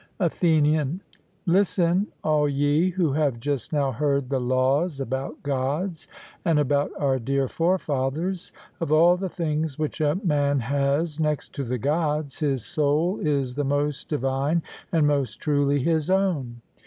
ATHENIAN: Listen, all ye who have just now heard the laws about Gods, and about our dear forefathers: Of all the things which a man has, next to the Gods, his soul is the most divine and most truly his own.